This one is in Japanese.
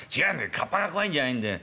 カッパが怖いんじゃないんだよ。